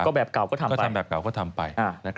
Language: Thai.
ก็แบบเก่าก็ทำไป